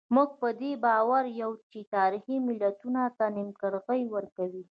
موږ په دې باور یو چې تاریخ ملتونو ته نېکمرغي ورکوي.